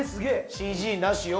ＣＧなしよ